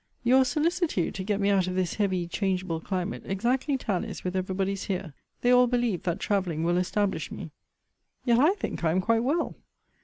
Your solicitude to get me out of this heavy changeable climate exactly tallies with every body's here. They all believe that travelling will establish me. Yet I think I am quite well.